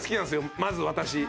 まず私。